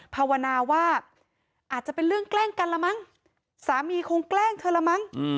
ภาวนาว่าอาจจะเป็นเรื่องแกล้งกันละมั้งสามีคงแกล้งเธอละมั้ง